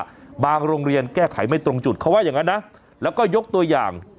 บางโรงเรียนแก้ไขไม่ตรงจุดเขาว่าอย่างนั้นนะแล้วก็ยกตัวอย่าง